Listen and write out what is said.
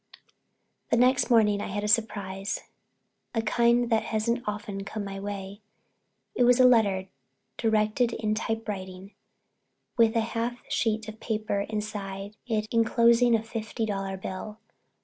The next morning I had a surprise—a kind that hasn't often come my way. It was a letter directed in typewriting with a half sheet of paper inside it inclosing a fifty dollar bill.